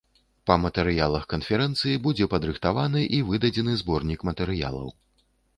Па матэрыялах канферэнцыі будзе падрыхтаваны і выдадзены зборнік матэрыялаў.